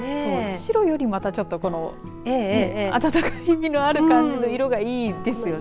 白よりも、またちょっとこの温かみのある感じの色がいいですよね。